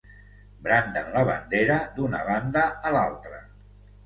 Branden la bandera d'una banda a l'altra.